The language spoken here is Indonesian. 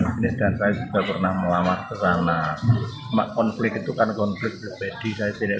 ke sini dan saya sudah pernah melamat ke sana konflik itu kan konflik lebih jadi saya tidak